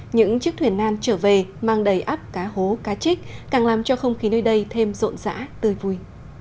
những chiếc thuyền nan trở về mang đầy áp cá hố cá trích càng làm cho không khí nơi đây thêm rộn rã tươi vui